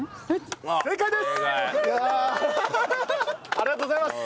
ありがとうございます！